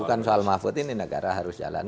bukan soal mahfud ini negara harus jalan